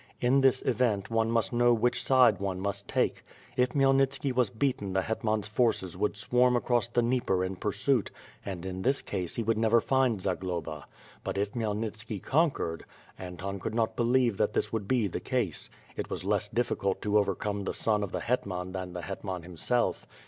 In this event, one must know which side one must take. If Khmyelnitski was beaten the hetman's forces would swarm across the Dnieper in pursuit, and in this case, he would never find Zagloba; but if Khmyelnitski con quered .... Anton could not believe that this would be the case. It was less difficult to overcome 'the son of the hetman than the hetman himself.